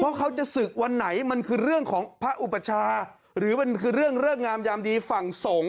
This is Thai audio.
เพราะเขาจะศึกวันไหนมันคือเรื่องของพระอุปชาหรือมันคือเรื่องเริกงามยามดีฝั่งสงฆ์